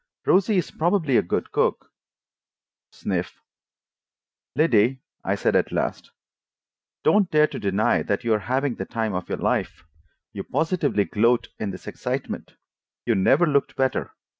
"Rosie is probably a good cook." Sniff. "Liddy," I said at last, "don't dare to deny that you are having the time of your life. You positively gloat in this excitement. You never looked better.